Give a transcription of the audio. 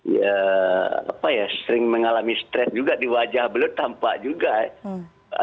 ya apa ya sering mengalami stres juga di wajah beliau tampak juga ya